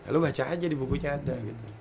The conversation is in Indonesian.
lu baca aja di bukunya ada